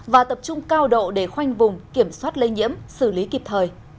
và tập trung cao độ để khoanh vùng kiểm soát lây nhiễm xử lý kịp thời